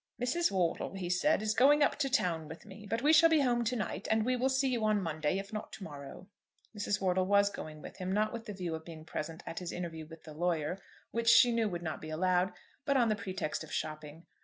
"Mrs. Wortle," he said, "is going up to town with me; but we shall be home to night, and we will see you on Monday if not to morrow." Mrs. Wortle was going with him, not with the view of being present at his interview with the lawyer, which she knew would not be allowed, but on the pretext of shopping.